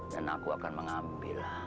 dan aku akan mengambillah